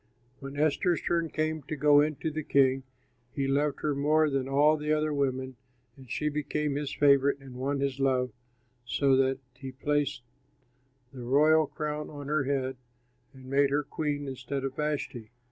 When Esther's turn came to go in to the king, he loved her more than all the other women, and she became his favorite and won his love, so that he placed the royal crown on her head and made her queen instead of Vashti.